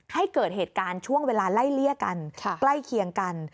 ให้เกิดเหตุการณ์ช่วงเวลาไล่เลี่ยกันใกล้เคียงกัน